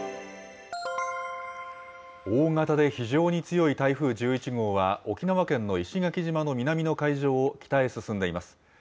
大型で非常に強い台風１１号は、沖縄県の石垣島の南の海上を北へ進んでいます。